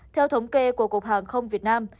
theo thống kê của cục hàng không việt nam